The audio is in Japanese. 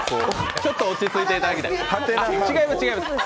ちょっと落ち着いていただきたい。